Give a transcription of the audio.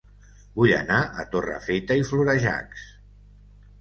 Vull anar a Torrefeta i Florejacs